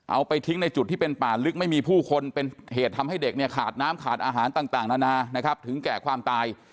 เอาไปทิ้งในจุดที่เป็นป่าลึกไม่มีผู้คนเป็นเหตุทำให้เด็กเนี่ยขาดน้ำขาดอาหารต่างนานานะครับถึงแก่ความตาย